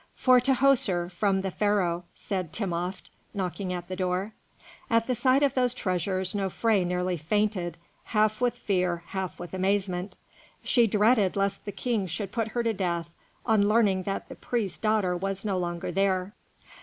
"For Tahoser, from the Pharaoh," said Timopht, knocking at the door. At the sight of those treasures Nofré nearly fainted, half with fear, half with amazement. She dreaded lest the King should put her to death on learning that the priest's daughter was no longer there.